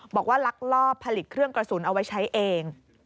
ลักลอบผลิตเครื่องกระสุนเอาไว้ใช้เอง